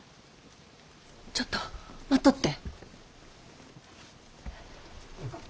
ちょっと待っとって。